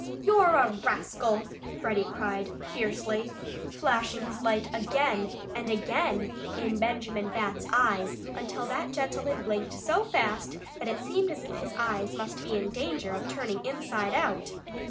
"You're a rascal!" Freddie cried fiercely, flashing his light again and again in Benjamin Bat's eyes, until that gentleman blinked so fast that it seemed as if his eyes must be in danger of turning inside out.